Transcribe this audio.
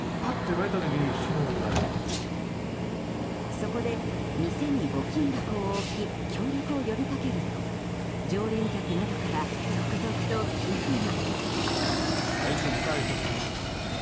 そこで店に募金箱を置き協力を呼びかけると常連客などから続々と寄付が。